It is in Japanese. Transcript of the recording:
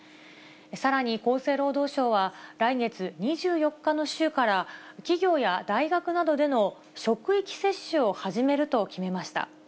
さらに厚生労働省は、来月２４日の週から、企業や大学などでの職域接種を始めると決めました。